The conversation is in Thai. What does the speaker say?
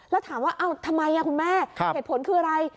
แล้วถามว่าทำไมคุณแม่เหตุผลคืออะไร